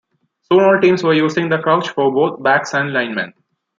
Soon all teams were using the crouch for both backs and linemen.